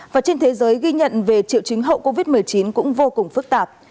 và trên thế giới ghi nhận về triệu chứng hậu covid một mươi chín cũng vô cùng phức tạp